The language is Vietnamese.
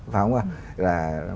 phải không ạ